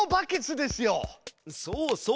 そうそう。